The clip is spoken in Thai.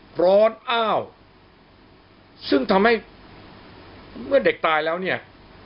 ร้อนอ้าวซึ่งทำให้เมื่อเด็กตายแล้วเนี่ย